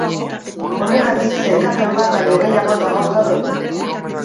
Horregatik, sailkapen bat baino gehiago dago gaur egun.